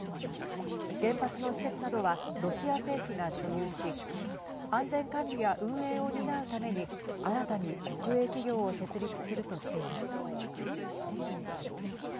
原発の施設などはロシア政府が所有し安全管理や運営を担うために新たに国営企業を設立するとしています。